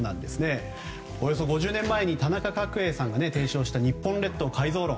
およそ５０年前に田中角栄さんが提唱した日本列島改造論。